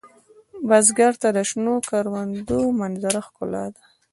بزګر ته د شنو کروندو منظره ښکلا ده